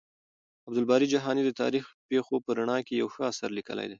عبدالباري جهاني د تاريخي پېښو په رڼا کې يو ښه اثر ليکلی دی.